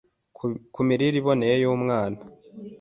ku mirire iboneye y’umwana